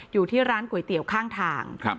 อยู่ที่ร้านก๋วยเตี๋ยวข้างทาง